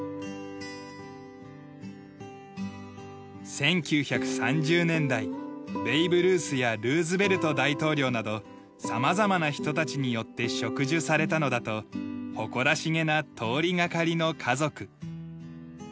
１９３０年代ベーブ・ルースやルーズベルト大統領など様々な人たちによって植樹されたのだと誇らしげな通りがかりの家族。